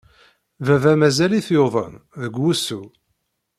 Baba mazal-it yuḍen, deg wusu.